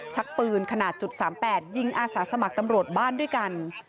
ชักปืนขนาด๓๘ยิงอาสาสมัครตำรวจบ้านด้วยกัน